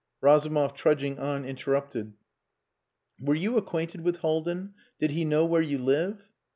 Razumov trudging on interrupted "Were you acquainted with Haldin? Did he know where you live?"